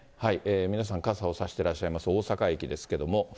皆さん、傘を差してらっしゃいます、大阪駅ですけれども。